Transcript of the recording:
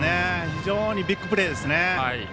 非常にビッグプレーですね。